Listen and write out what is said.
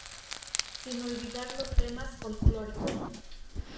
Sin olvidar los temas folklóricos.